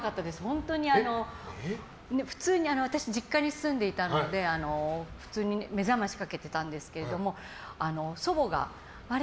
本当に、普通に私、実家に住んでいたので目覚ましかけていたんですけども祖母が、あれ？